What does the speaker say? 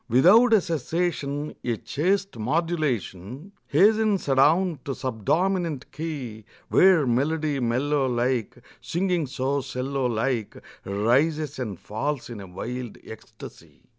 Without a cessation A chaste modulation Hastens adown to subdominant key, Where melody mellow like Singing so 'cello like Rises and falls in a wild ecstasy.